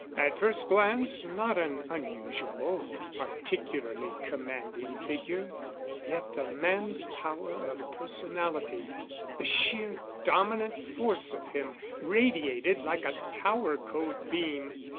At first glance, not an unusual or particularly commanding figure. Yet the man's power of personality, the sheer dominant force of him, radiated like a tower code beam.